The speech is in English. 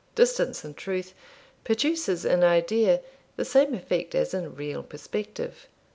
Distance, in truth, produces in idea the same effect as in real perspective.